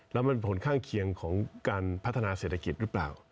แล้วมันผลข้างเคียงของการพัฒนาเศรษฐกิจหรือเปล่า